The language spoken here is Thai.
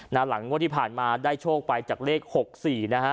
หลังงวดที่ผ่านมาได้โชคไปจากเลข๖๔นะฮะ